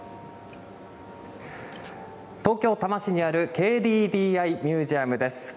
東京・多摩市にある、ＫＤＤＩミュージアムです。